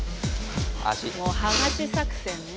もうはがし作戦ね。